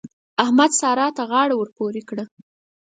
احمد؛ سارا ته غاړه ور پورې کړه.